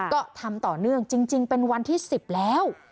ก็ทำต่อเนื่องจริงเป็นวันที่๑๐แล้ว